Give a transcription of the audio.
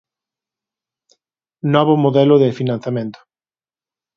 Novo modelo de financiamento.